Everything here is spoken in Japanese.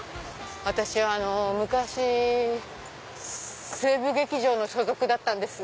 私昔西武劇場の所属だったんです。